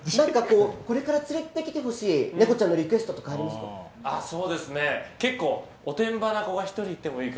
これから連れてきてほしいネコちゃんのリクエストとかありますか？